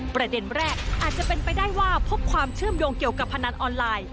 ประเด็นแรกอาจจะเป็นไปได้ว่าพบความเชื่อมโยงเกี่ยวกับพนันออนไลน์